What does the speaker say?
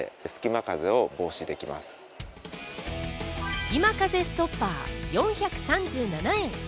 すきま風ストッパー、４３７円。